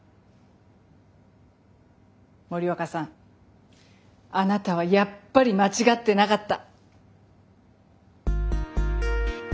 森若さんあなたはやっぱり間違ってなかった。